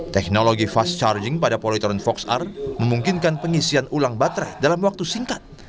teknologi fast charging pada politron fox ar memungkinkan pengisian ulang baterai dalam waktu singkat